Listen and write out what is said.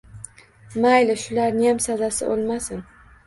— Mayli, shularniyam sazasi o‘lmasin.